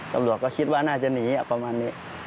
ตำรวจก็คิดว่าน่าจะหนีประมาณนี้